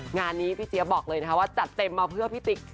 งานนี้พี่เจี๊ยบบอกเลยนะคะว่าจัดเต็มมาเพื่อพี่ติ๊ก